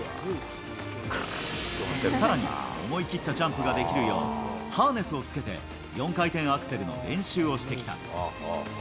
さらに、思い切ったジャンプができるよう、ハーネスをつけて４回転アクセルの練習をしてきた。